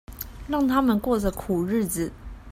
讓他們過著苦日子